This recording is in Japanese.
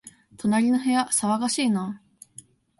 隣の部屋、騒がしいな